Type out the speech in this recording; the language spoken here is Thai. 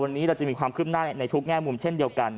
วันนี้เราจะมีความคืบหน้าในทุกแง่มุมเช่นเดียวกัน